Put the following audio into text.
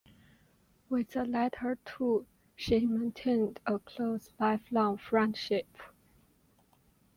With the latter two she maintained a close lifelong friendship.